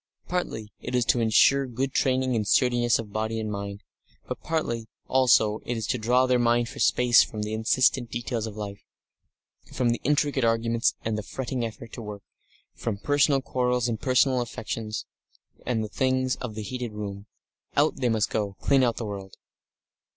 Partly, it is to ensure good training and sturdiness of body and mind, but partly, also, it is to draw their minds for a space from the insistent details of life, from the intricate arguments and the fretting effort to work, from personal quarrels and personal affections, and the things of the heated room. Out they must go, clean out of the world.